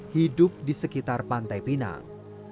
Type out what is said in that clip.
hidup di sekitar pantai pinang